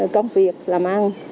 công việc làm ăn